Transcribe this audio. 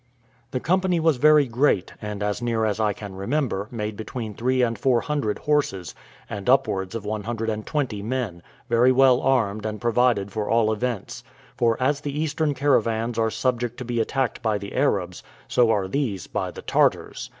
The company was very great, and, as near as I can remember, made between three and four hundred horses, and upwards of one hundred and twenty men, very well armed and provided for all events; for as the Eastern caravans are subject to be attacked by the Arabs, so are these by the Tartars.